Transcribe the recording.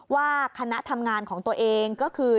ว่าคณะทำงานของตัวเองก็คือ